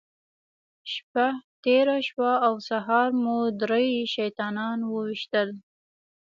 شپه تېره شوه او سهار مو درې شیطانان وويشتل.